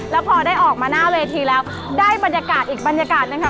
แล้วพอได้ออกมาหน้าเวทีแล้วได้บรรยากาศอีกบรรยากาศนะคะ